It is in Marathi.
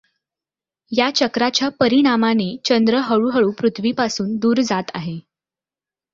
या चक्राच्या परीणामाने चंद्र हळूहळू पृथ्वीपासून दूर जात आहे.